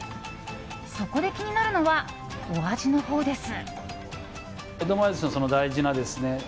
そこで気になるのはお味のほうです。